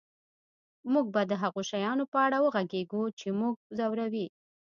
موږ به د هغو شیانو په اړه وغږیږو چې موږ ځوروي